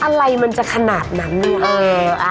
อะไรมันจะขนาดนั้นเนี่ย